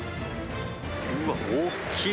うわっ、大きい！